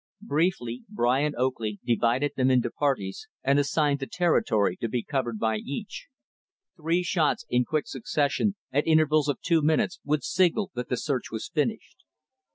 Briefly, Brian Oakley divided them into parties, and assigned the territory to be covered by each. Three shots in quick succession, at intervals of two minutes, would signal that the search was finished.